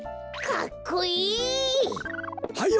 かっこいい！